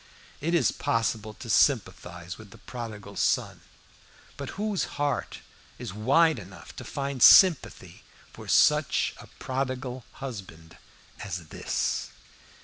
It is possible to sympathize with the prodigal son, but whose heart is wide enough to find sympathy for such a prodigal husband as this?